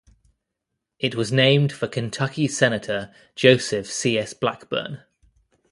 It was named for Kentucky Senator Joseph C. S. Blackburn.